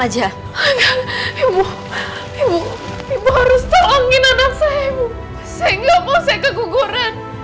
kita pasti akan punya cara